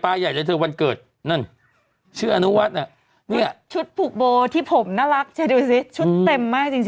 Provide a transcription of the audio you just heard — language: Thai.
โอ้โหเป็นใบบากปลา